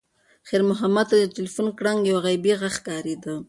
خیر محمد ته د تلیفون ګړنګ یو غیبي غږ ښکارېده.